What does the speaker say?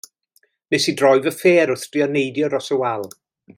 Wnes i droi fy ffêr wrth drio neidio dros y wal.